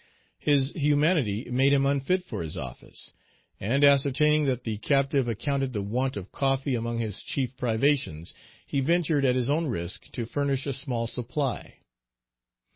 His humanity made him unfit for his office, and ascertaining that the captive accounted the want of coffee among his chief privations, he ventured at his own risk to furnish a small supply.